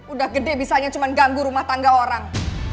udah gede bisanya cuma ganggu rumah tangga orang